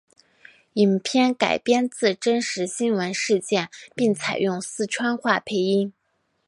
影片改编自真实新闻事件并采用四川话配音。